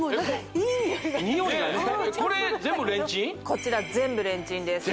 こちら全部レンチンです